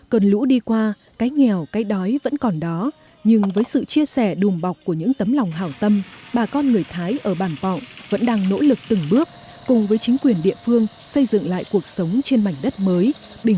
cần lũ đi qua cái nghèo cái đói vẫn còn đó nhưng với sự chia sẻ đùm bọc của những tấm lòng hảo tâm bà con người thái ở bản pọng vẫn đang nỗ lực từng bước cùng với chính quyền địa phương xây dựng lại cuộc sống trên mảnh đất mới bình yên và an toàn hơn